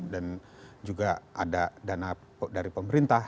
dan juga ada dana dari pemerintah